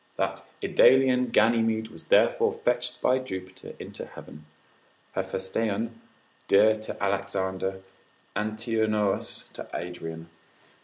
That Idalian Ganymede was therefore fetched by Jupiter into heaven, Hephaestion dear to Alexander, Antinous to Adrian.